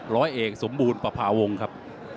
ร้อยเอกสมบูรณ์ประพาวงศ์ครับ